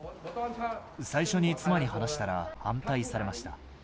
最初に妻に話したら、反対されました。